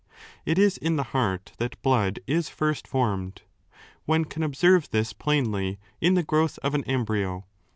It is in the heart that blood is first formed. One can observe this 6 plainly in the growth of an embryo.